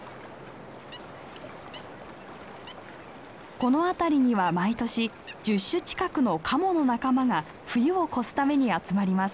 この辺りには毎年１０種近くのカモの仲間が冬を越すために集まります。